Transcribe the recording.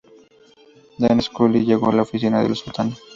Dana Scully llegó a la oficina del sótano.